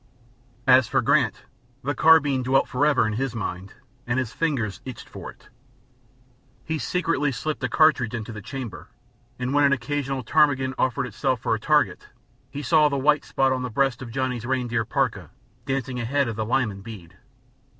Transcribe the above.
As for Grant, the carbine dwelt forever in his mind, and his fingers itched for it. He secretly slipped a cartridge into the chamber, and when an occasional ptarmigan offered itself for a target he saw the white spot on the breast of Johnny's reindeer parka, dancing ahead of the Lyman bead.